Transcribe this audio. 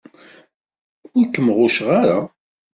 Ur kem-ɣucceɣ ara.